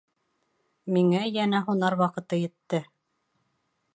— Миңә йәнә һунар ваҡыты етте.